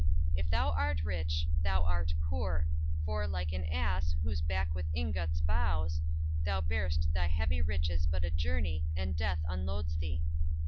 If thou art rich, thou art poor; For, like an ass, whose back with ingots bows, Thou bear'st thy heavy riches but a journey, And Death unloads thee!